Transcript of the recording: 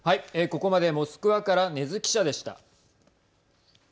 ここまでモスクワから禰津記者でした。